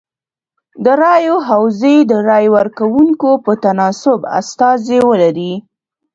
د رایو حوزې د رای ورکوونکو په تناسب استازي ولري.